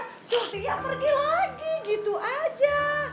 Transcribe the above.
surti ya pergi lagi gitu aja